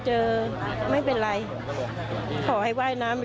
จึงไม่ได้เอดในแม่น้ำ